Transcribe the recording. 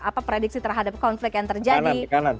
apa prediksi terhadap konflik yang terjadi